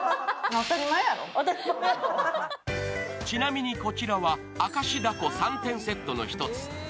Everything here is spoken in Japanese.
ちなみにこちらは明石だこ３点セットの一つ。